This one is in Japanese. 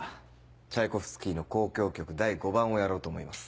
チャイコフスキーの『交響曲第５番』をやろうと思います。